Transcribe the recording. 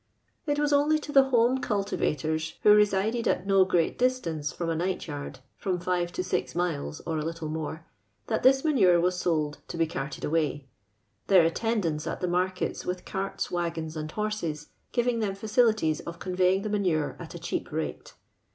It was only to tho home cultivators who re sided at no great distance fnmi n night yard, from five to six miles or a little more, tliat this manure was sold to be carted away ; tlieir attendance at the markets with carts, waggons, and horses, giving them facilities of conveying the manuvi' at a chcnp rate.